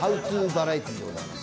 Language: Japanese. バラエティでございます